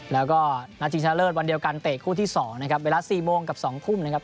แล้วก็นัดชิงชนะเลิศวันเดียวกันเตะคู่ที่๒นะครับเวลา๔โมงกับ๒ทุ่มนะครับ